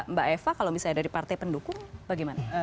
mbak eva kalau misalnya dari partai pendukung bagaimana